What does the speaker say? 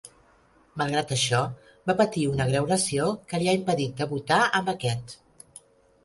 Malgrat això, va patir una greu lesió que li ha impedit debutar amb aquest.